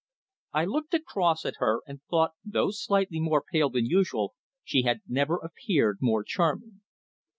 I looked across at her and thought, though slightly more pale than usual, she had never appeared more charming.